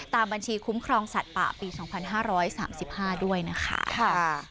ตามบัญชีคุ้มครองสัตว์ป่าปี๒๕๓๕ด้วยนะคะ